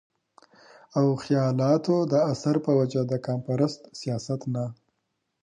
او خياالتو د اثر پۀ وجه د قامپرست سياست نه